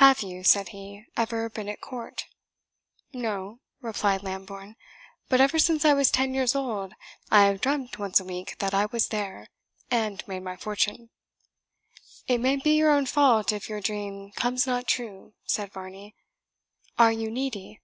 "Have you," said he, "ever been at court?" "No," replied Lambourne; "but ever since I was ten years old, I have dreamt once a week that I was there, and made my fortune." "It may be your own fault if your dream comes not true," said Varney. "Are you needy?"